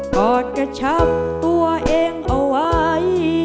กอดกระชับตัวเองเอาไว้